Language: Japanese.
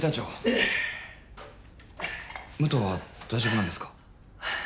武藤は大丈夫なんですか？